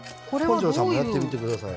本上さんもやってみてください。